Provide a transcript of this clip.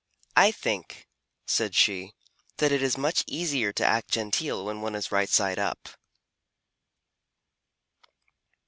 "I think," said she, "that it is much easier to act genteel when one is right side up."